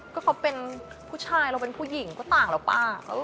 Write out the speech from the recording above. พูดเป็นผู้ชายเราเป็นผู้หญิงก็ต่างแล้วป่ะ